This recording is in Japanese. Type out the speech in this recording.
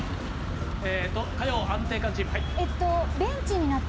火曜安定感チーム。